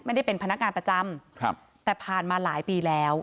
ไม่ได้เป็นพนักงานประจำครับแต่ผ่านมาหลายปีแล้ว